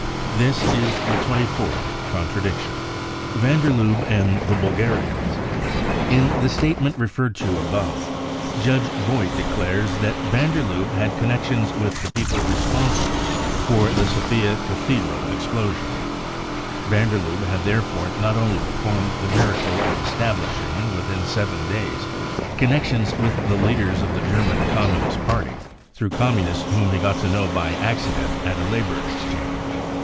This is the twenty fourth contradiction. Van der Lubbe and the Bulgarians. In the statement referred to above, Judge Vogt declares that van der Lubbe had connections with the people responsible for the Sofia cathedral explosion. Van der Lubbe had therefore not only performed the miracle of establishing, within 7 days, connections with the leaders of the German Communist Party, through Communists whom he got to know by accident at a labour exchange.